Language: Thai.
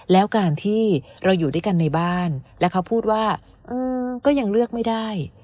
แล้วการที่เราอยู่ด้วยกันในบ้านแล้วเขาพูดว่าก็ยังเลือกไม่ได้